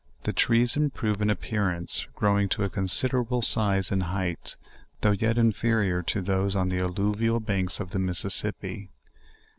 The tress improve in ap pearance, growing to a considerable size and height, though yet inferior to those on the alluvial banks of the Missitsippi.